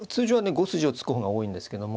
５筋を突く方が多いんですけども。